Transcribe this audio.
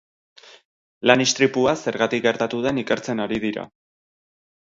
Lan-istripua zergatik gertatu den ikertzen ari dira.